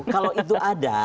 kalau itu ada